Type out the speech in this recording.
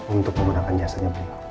untuk memenangkan nyasanya beliau